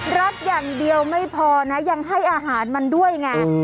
รักอย่างเดียวไม่พอนะยังให้อาหารมันด้วยไง